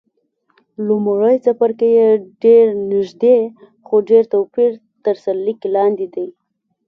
لومړی څپرکی یې ډېر نږدې، خو ډېر توپیر تر سرلیک لاندې دی.